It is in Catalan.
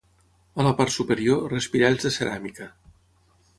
A la part superior, respiralls de ceràmica.